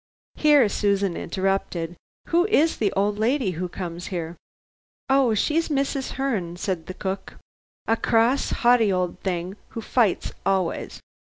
Here Susan interrupted. "Who is the old lady who comes here?" "Oh, she's Mrs. Herne," said the cook. "A cross, 'aughty old thing, who fights always.